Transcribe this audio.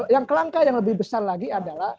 yang kelangka yang lebih besar lagi adalah